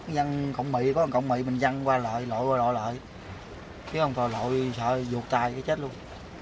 văn cộng mị có văn cộng mị mình văn qua lội lội qua lội lội chứ không lội sợ vụt tay chết luôn